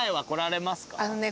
あのね